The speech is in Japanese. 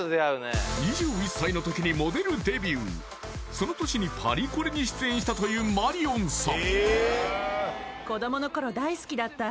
その年にパリコレに出演したというマリオンさん